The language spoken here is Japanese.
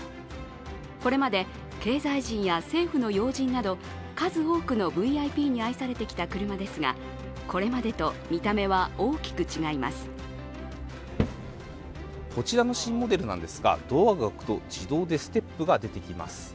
これまで経済人や政府の要人など数多くのＶＩＰに愛されてきた車ですがこちらの新モデルですがドアが開くと、自動でステップが出てきます。